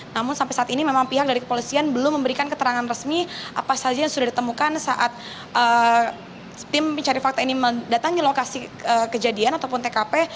namun sampai saat ini memang pihak dari kepolisian belum memberikan keterangan resmi apa saja yang sudah ditemukan saat tim pencari fakta ini mendatangi lokasi kejadian ataupun tkp